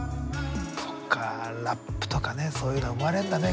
そっかラップとかそういうのが生まれるんだね